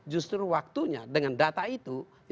justru waktunya dengan data itu